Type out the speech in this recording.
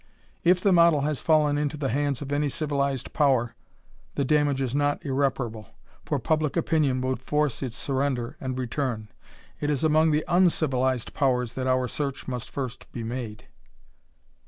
If the model has fallen into the hands of any civilized power the damage is not irreparable, for public opinion would force its surrender and return. It is among the uncivilized powers that our search must first be made."